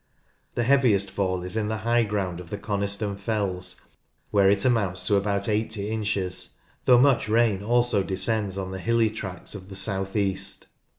The heaviest fall is in the high ground of the Coniston Fells, where it amounts to about 80 inches, though much rain also descends on the hilly tracts of the south east.